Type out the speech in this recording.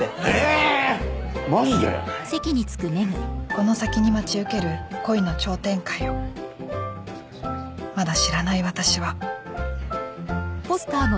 この先に待ち受ける恋の超展開をまだ知らない私は。